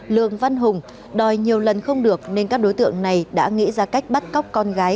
lương văn hùng đòi nhiều lần không được nên các đối tượng này đã nghĩ ra cách bắt cóc con gái